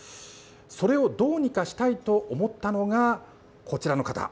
それをどうにかしたいと思ったのが、こちらの方。